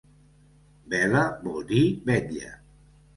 Vela vol dir vetlla.